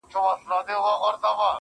حتمآ به ټول ورباندي وسوځيږي.